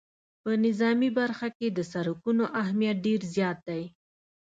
په نظامي برخه کې د سرکونو اهمیت ډېر زیات دی